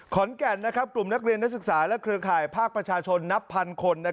กลุ่มนักเรียนนักศึกษาและเครือข่ายภาคประชาชนนับพันคน